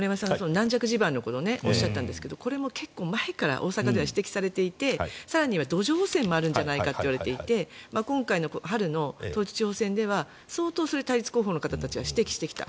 軟弱地盤のことをおっしゃったんですが結構前から指摘されていて更には土壌汚染もあるんじゃないかといわれていて今回の春の統一地方選では相当、対立候補の方が指摘してきた。